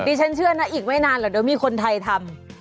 ฉันเชื่อนะอีกไม่นานหรอกเดี๋ยวมีคนไทยทำ